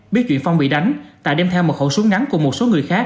biết chuyện phong bị đánh tài đem theo một khẩu súng ngắn cùng một số người khác